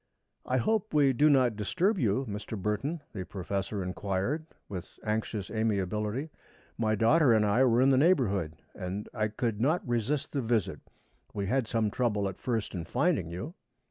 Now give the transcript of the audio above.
"I hope we do not disturb you, Mr. Burton?" the professor inquired, with anxious amiability. "My daughter and I were in the neighborhood and I could not resist the visit. We had some trouble at first in finding you."